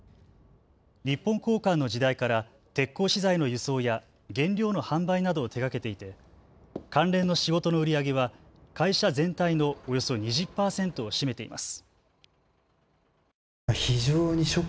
日本鋼管の時代から鉄鋼資材の輸送や原料の販売などを手がけていて関連の仕事の売り上げは会社全体のおよそ２０％を占めています。